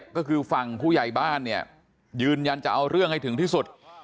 ก็คือฝั่งผู้ใหญ่บ้านเนี่ยยืนยันจะเอาเรื่องให้ถึงที่สุด